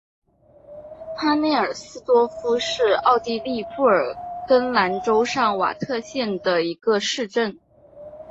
哈内尔斯多夫是奥地利布尔根兰州上瓦特县的一个市镇。